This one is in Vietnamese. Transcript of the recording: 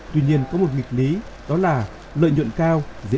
tuy nhiên có một nghịch lý đó là lợi nhuận cao dễ chịu